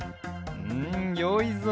うんよいぞ。